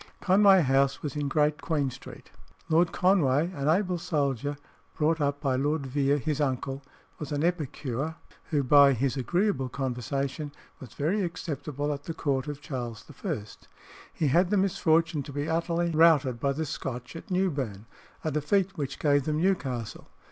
Conway House was in Great Queen Street. Lord Conway, an able soldier, brought up by Lord Vere, his uncle, was an epicure, who by his agreeable conversation was very acceptable at the court of Charles I. He had the misfortune to be utterly routed by the Scotch at Newburn a defeat which gave them Newcastle.